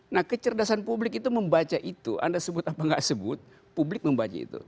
nah kecerdasan publik itu membaca itu anda sebut apa nggak sebut publik membaca itu